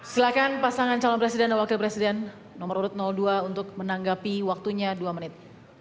silakan pasangan calon presiden dan wakil presiden nomor urut dua untuk menanggapi waktunya dua menit